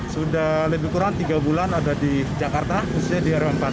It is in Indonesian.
sudah lebih kurang tiga bulan ada di jakarta khususnya di rw empat